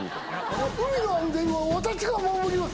海の安全は私が守ります。